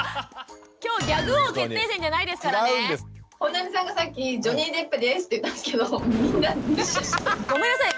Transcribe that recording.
今日本並さんがさっき「ジョニー・デップです」って言ったんですけどごめんなさい。